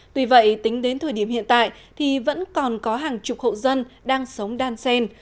tuy vậy tính đến thời điểm hiện tại thì vẫn còn có hàng chục hộ dân đang sống đan sen